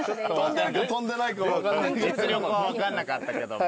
実力は分かんなかったけども。